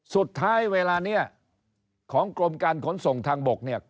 สุดท้ายเวลานี้ของกรมการขนส่งทางบกเนี่ย